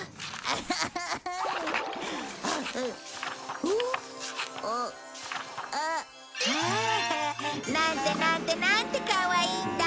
ああっ！なんてなんてなんてかわいいんだ！